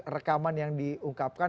rekaman yang diungkapkan